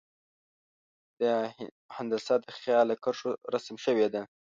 دا هندسه د خیال له کرښو رسم شوې ده.